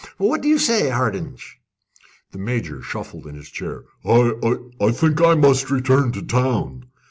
What do you say, Hardinge?" The Major shuffled in his chair. "I I think I must return to town."